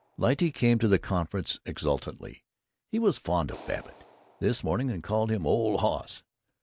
Lyte came to the conference exultantly. He was fond of Babbitt, this morning, and called him "old hoss."